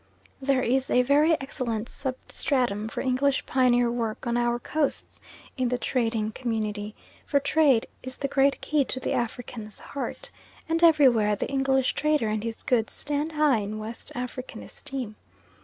There is a very excellent substratum for English pioneer work on our Coasts in the trading community, for trade is the great key to the African's heart, and everywhere the English trader and his goods stand high in West African esteem.